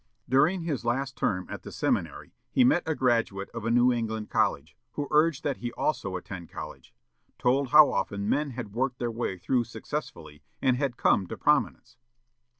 During his last term at the seminary, he met a graduate of a New England college, who urged that he also attend college; told how often men had worked their way through successfully, and had come to prominence.